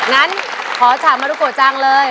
งั้นขอถามมาลูกโกจังเลย